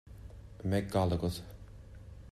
An mbeidh gal agat?